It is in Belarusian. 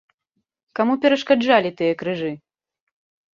Каму перашкаджалі тыя крыжы?